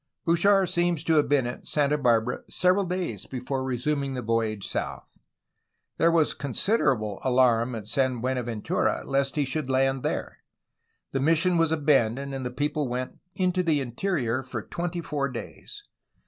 Bouchard seems to have been at Santa Barbara several days before resuming the voyage south. There was a con siderable alarm at San Buenaventura lest he should land there. The mission was abandoned, and the people went into the interior for twenty four days.